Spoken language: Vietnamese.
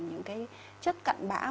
những chất cận biệt